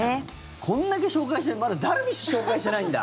こんだけ紹介して、まだダルビッシュ紹介してないんだ！